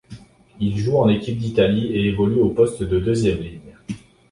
Il joue en équipe d'Italie et évolue au poste de deuxième ligne.